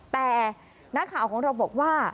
แต่นักข่าวของเราบอกว่า